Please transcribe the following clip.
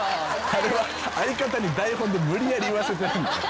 あれは相方に台本で無理やり言わせてるんで。